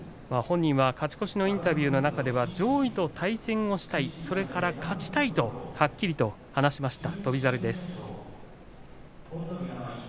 本人は勝ち越しのインタビューの中では、上位と対戦をしたい勝ちたいとはっきりと話していました。